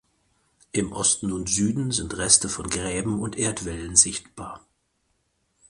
Im Osten und Süden sind Reste von Gräben und Erdwällen sichtbar.